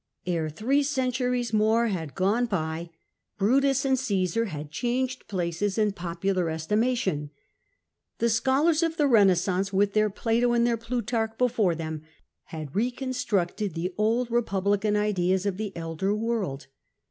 Ere three centuries more had gone by, Brutus and C^sar had changed places in popular estimation. The scholars of the Renaissance, with their Plato and their Plutarch before them, had reconstructed the old repub lican ideas of the elder world.